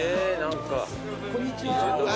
こんにちは。